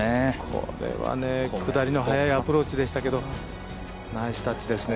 これはね、下りの早いアプローチでしたけどナイスタッチでしたね。